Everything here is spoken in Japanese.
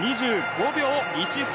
２５秒１３。